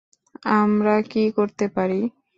আমরা কী করতে পারি!